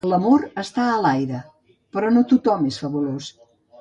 L'amor està a l'aire, però no tothom és fabulós.